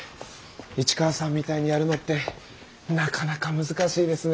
市川さんみたいにやるのってなかなか難しいですね。